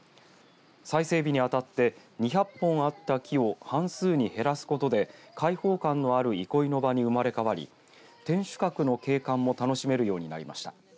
再整備にあたって２００本あった木を半数に減らすことで開放感のある憩いの場に生まれ変わり天守閣の景観も楽しめるようになりました。